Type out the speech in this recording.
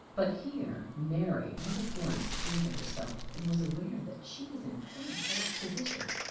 But here Mary all at once came to herself, and was aware that she was in quite a false position.